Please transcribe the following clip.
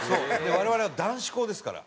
我々は男子校ですから。